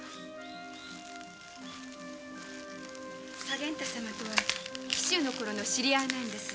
左源太様とは紀州のころの知り合いなんです。